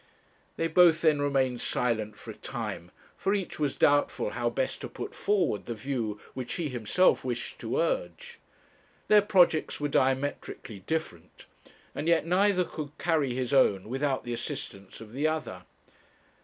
They both then remained silent for a time, for each was doubtful how best to put forward the view which he himself wished to urge. Their projects were diametrically different, and yet neither could carry his own without the assistance of the other.